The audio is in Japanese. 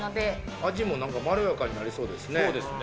味もなんかまろやかになりそうですね。